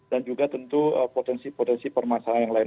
dan juga tentu potensi potensi permasalahan yang lain